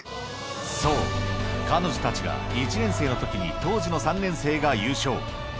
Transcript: そう、彼女たちが１年生のときに、当時の３年生が優勝。